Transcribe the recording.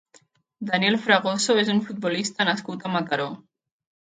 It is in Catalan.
Daniel Fragoso és un futbolista nascut a Mataró.